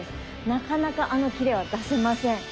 なかなかあのキレは出せません。